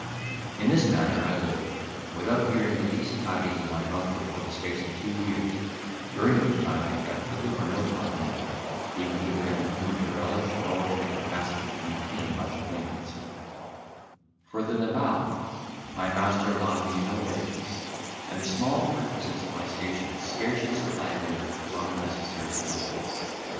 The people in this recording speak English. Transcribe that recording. In this manner I lived, without hearing the least tidings of my uncle for the space of two years, during which time I kept little or no company, being neither in a humour to relish nor in a capacity to maintain much acquaintance; for the Nabal my master allowed me no wages, and the small perquisites of my station scarcely supplied me with the common necessaries of life.